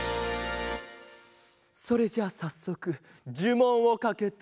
それじゃあさっそくじゅもんをかけて。